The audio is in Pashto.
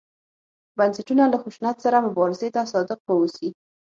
بنسټونه له خشونت سره مبارزې ته صادق واوسي.